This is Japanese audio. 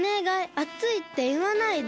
あついっていわないで。